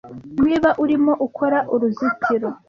Niba urimo ukora uruzitiro